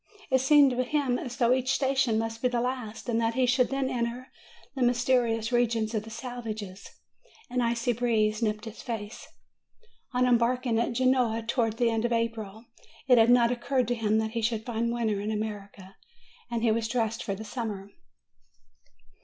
It seemed to him as though each station must be the last, and that he should then enter the mysterious regions of the savages. An icy breeze nipped his face. On embark ing at Genoa, towards the end of April, it had not oc curred to him that he should find winter in America, and he was dressed for summer.